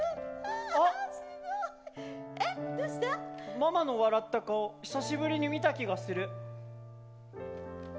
ママの笑った顔久しぶりに見た気がする。